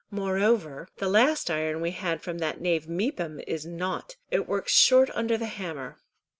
"Moreover the last iron we had from that knave Mepham is nought. It works short under the hammer."